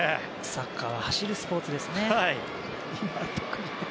サッカーは走るスポーツですね。